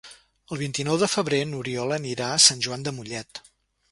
El vint-i-nou de febrer n'Oriol anirà a Sant Joan de Mollet.